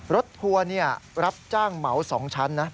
ทัวร์รับจ้างเหมา๒ชั้นนะ